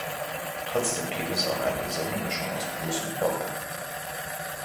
Trotzdem gebe es auch eine gesunde Mischung aus Blues und Bop.